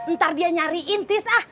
ntar dia nyariin tis